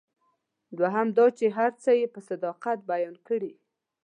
دوهم دا چې هر څه یې په صداقت بیان کړي.